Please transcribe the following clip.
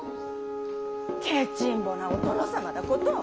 けちんぼなお殿様だこと。